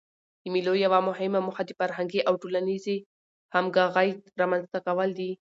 د مېلو یوه مهمه موخه د فرهنګي او ټولنیزي همږغۍ رامنځ ته کول دي.